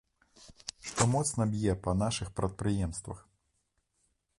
Што моцна б'е па нашых прадпрыемствах.